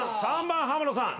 ３番浜野さん